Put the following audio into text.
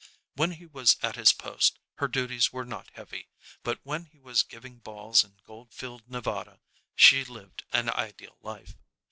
When he was at his post her duties were not heavy, but when he was giving balls in Goldfield, Nevada, she lived an ideal life.